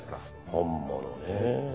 本物ねぇ。